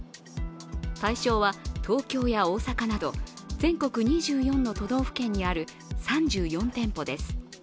対象は東京や大阪など全国２４の都道府県にある３４店舗です。